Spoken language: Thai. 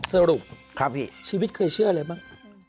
สรุปครับพี่ชีวิตเคยเชื่ออะไรบ้าง